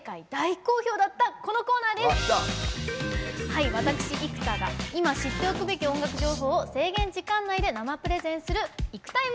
はい私生田が今知っておくべき音楽情報を制限時間内で生プレゼンする「ＩＫＵＴＩＭＥＳ」！